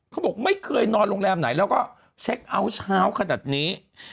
เขาบอกไม่เคยนอนโรงแรมไหนแล้วก็เช็คเอาท์เช้าขนาดนี้